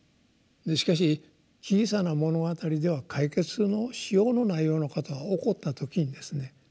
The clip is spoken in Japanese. しかし「小さな物語」では解決のしようのないようなことが起こった時にですね